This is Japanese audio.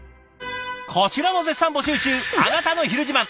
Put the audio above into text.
こちらも絶賛募集中あなたの「ひる自慢」！